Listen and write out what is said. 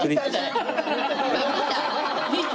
見た！